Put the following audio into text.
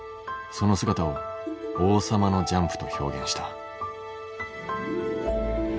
その姿を「王様のジャンプ」と表現した。